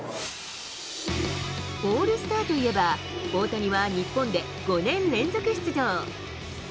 オールスターといえば、大谷は日本で５年連続出場。